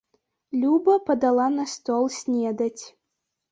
Люба падала на стол снедаць.